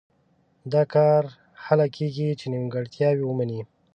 دا کار هله کېږي چې نیمګړتیاوې ومني.